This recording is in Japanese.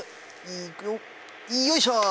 いくよよいしょ！